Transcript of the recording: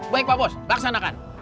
baik pak bos laksanakan